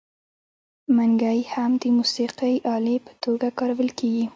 منګی هم د موسیقۍ الې په توګه کارول کیږي.